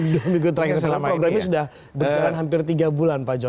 dua minggu terakhir programnya sudah berjalan hampir tiga bulan pak jos